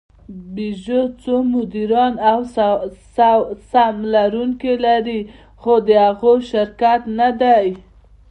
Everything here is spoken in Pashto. پيژو څو مدیران او سهم لرونکي لري؛ خو هغوی شرکت نهدي.